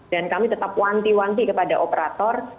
dan kami tetap wanti wanti kepada operator